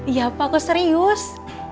iya pak aku serius